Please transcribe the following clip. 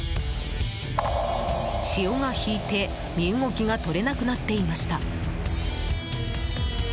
潮が引いて身動きが取れなくなっていました。